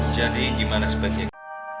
jadi gimana sebagai